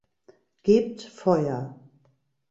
Gebt Feuer!